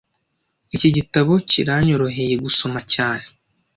Iki gitabo kiranyoroheye gusoma cyane